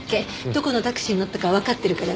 どこのタクシーに乗ったかはわかってるから。